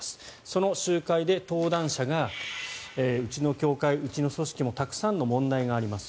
その集会で登壇者がうちの教会、うちの組織もたくさんの問題があります